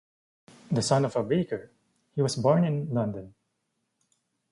The son of a baker, he was born in London.